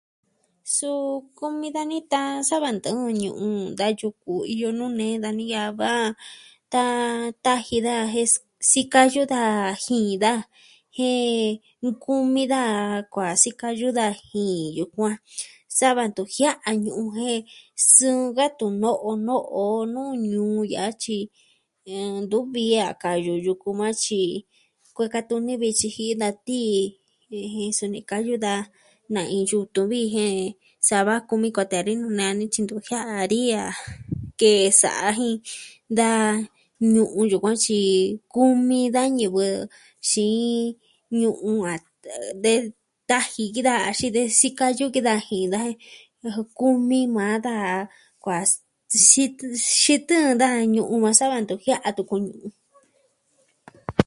Suu kumi dani ta'an sava ntɨɨn ñu'un da yuku iyo nuu nee dani ya'a va, tan taji da jen sikayu da jin daa jen nkumi daa kuaa sikayu da jii yukuan sava ntu jia'a ñu'un jen sɨɨn va tun no'o no'onuu ñuu ya'a tyi ntuvi a kayu yuku maa tyi kueka tuni vi tyiji da tii. Viji suni kayu daa na'in yutun vi jen sava kumi kuatee vi nuu nee a ni tyi ntu jia'a ni a ke'e sa'a jin da ñu'un yukuan tyi kumi da ñivɨ xii ñu'un a de taji ki daa xii de sikayu kidaa ji kumi maa da kuaa xitɨɨn daa ñu'un maa sava ntu jia'a a tuku ñu'un.